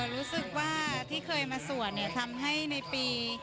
รู้สึกว่าที่เคยมาสวดทำให้ในปี